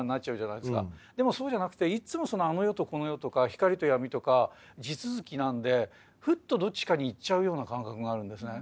でもそうじゃなくていつもそのあの世とこの世とか光と闇とか地続きなんでふっとどっちかに行っちゃうような感覚があるんですね。